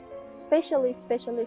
dan untuk anak anak saya